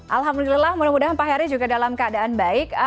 alhamdulillah mudah mudahan pak heri juga dalam keadaan baik